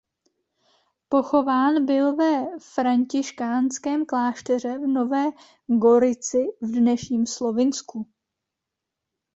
Pochován byl ve františkánském klášteře v Nové Gorici v dnešním Slovinsku.